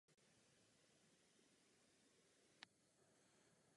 Podle ministerstva o ní také není zmínka v žádných strategických dokumentech.